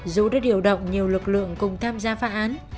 dù đã điều động nhiều lực lượng cùng tham gia phá án